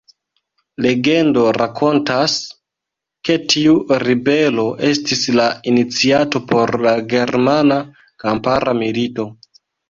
Legendo rakontas, ke tiu ribelo estis la iniciato por la Germana Kampara Milito.